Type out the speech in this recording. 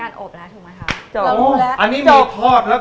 ให้เห็นเลือดออกมาด้วย